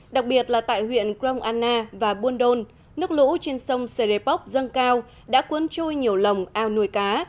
đặc biệt là tại huyện krong anna và buôn đôn nước lũ trên sông serepoc dâng cao đã cuốn trôi nhiều lồng ao nuôi cá